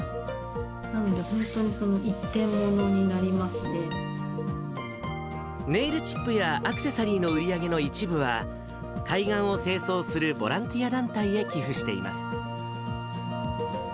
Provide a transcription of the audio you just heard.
なので、本当にその、一点ものにネイルチップやアクセサリーの売り上げの一部は、海岸を清掃するボランティア団体へ寄付しています。